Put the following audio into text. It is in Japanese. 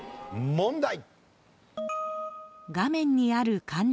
問題。